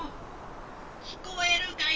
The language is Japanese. きこえるかい？